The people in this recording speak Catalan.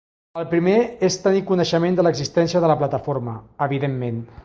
El primer és tenir coneixement de l’existència de la plataforma, evidentment.